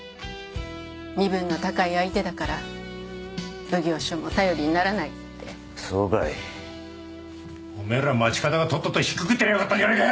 身分の高い相手だから奉行所も頼りにならないってそうかいおめぇら町方がとっととひっくくってりゃよかったんじゃねぇかよ！